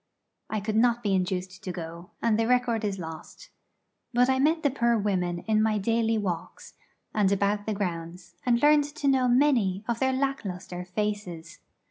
I could not be induced to go, and the record is lost. But I met the poor women in my daily walks, and about the grounds, and learned to know many of their lack lustre faces.